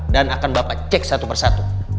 dan akan bapak cek satu persatu